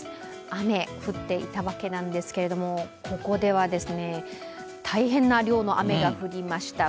雨、降っていたわけなんですけれども、ここでは大変な量の雨が降りました。